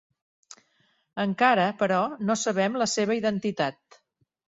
Encara, però, no sabem la seva identitat.